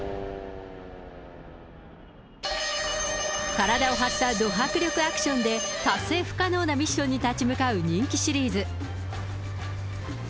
体を張ったド迫力アクションで、達成不可能なミッションに立ち向かう人気シリーズ。